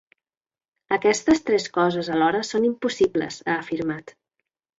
Aquestes tres coses alhora són impossibles, ha afirmat.